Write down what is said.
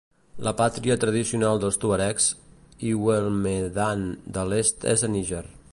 La pàtria tradicional dels tuaregs Iwellemmedan de l'est és a Níger.